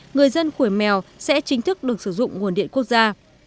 người dân khuổi mèo sẽ chính thức được sử dụng nguồn điện quốc gia